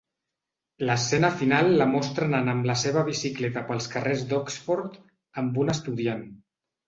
L'escena final la mostra anant amb la seva bicicleta pels carrers d'Oxford amb un estudiant.